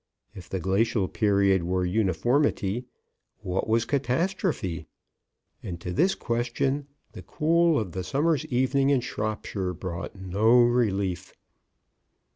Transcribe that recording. IF THE GLACIAL PERIOD WERE UNIFORMITY, WHAT WAS CATASTROPHE?... AND TO THIS QUESTION, THE COOL OF THE SUMMER'S EVENING IN SHROPSHIRE BROUGHT NO RELIEF."